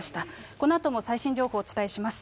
このあとも最新情報をお伝えします。